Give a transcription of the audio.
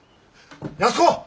安子！